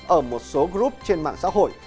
ở một số group trên mạng xã hội